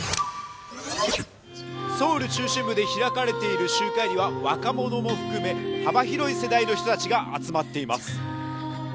ソウル中心部で開かれている集会には若者も含め幅広い世代の人たちが集まっています。